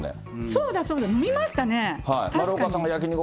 そうだそうだ、飲みましたね、確かに。